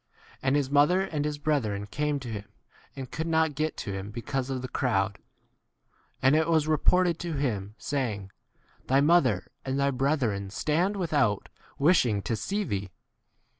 !9 And his mother and his brethren came to him, and could not get to 20 him because of the crowd. And it was reported to him, saying, Thy mother and thy brethren stand without wishing to see thee.